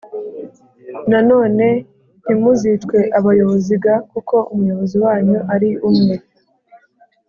Nanone ntimuzitwe abayobozi g kuko Umuyobozi wanyu ari umwe